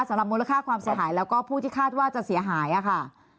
มูลค่าความเสียหายแล้วก็ผู้ที่คาดว่าจะเสียหายค่ะ